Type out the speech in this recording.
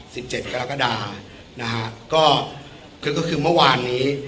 สิบเจ็ดกรกฎานะฮะก็คือก็คือเมื่อวานนี้